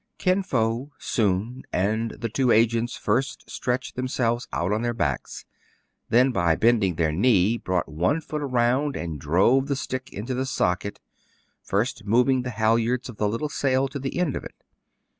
Kin Fo, Soun, and the two agents first stretched themselves out on their backs ; then, by bending their knee, brought one foot round, and drove the stick into the socket, first moving the halyards of the little sail to the end of it.